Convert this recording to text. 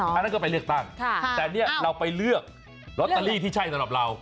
อันนั้นก็ไปเลือกตั้งแต่เนี่ยเราไปเลือกลอตเตอรี่ที่ใช่สำหรับเรา